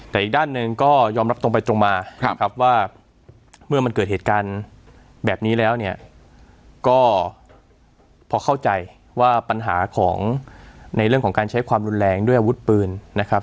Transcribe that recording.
แต่อีกด้านหนึ่งก็ยอมรับตรงไปตรงมานะครับว่าเมื่อมันเกิดเหตุการณ์แบบนี้แล้วเนี่ยก็พอเข้าใจว่าปัญหาของในเรื่องของการใช้ความรุนแรงด้วยอาวุธปืนนะครับ